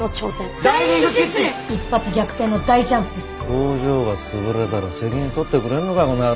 工場が潰れたら責任取ってくれんのかこの野郎！